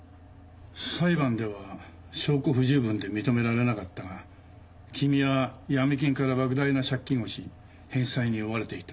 裁判では証拠不十分で認められなかったが君は闇金から莫大な借金をし返済に追われていた。